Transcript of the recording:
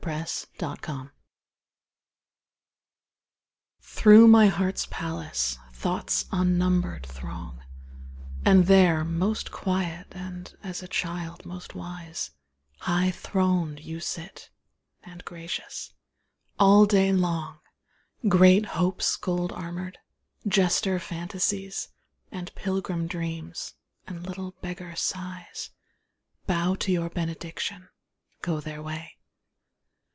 Day and Night Through my heart's palace Thoughts unnumbered throng; And there, most quiet and, as a child, most wise, High throned you sit, and gracious. All day long Great Hopes gold armoured, jester Fantasies, And pilgrim Dreams, and little beggar Sighs, Bow to your benediction, go their way.